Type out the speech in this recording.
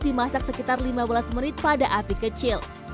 dimasak sekitar lima belas menit pada api kecil